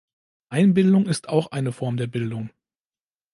Einbildung ist auch eine Form der Bildung.